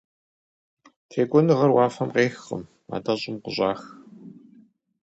Текӏуэныгъэр уафэм къехкъым, атӏэ щӏым къыщӏах.